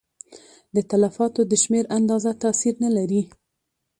د تلفاتو د شمېر اندازه تاثیر نه لري.